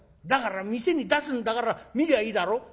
「だから店に出すんだから見りゃいいだろ」。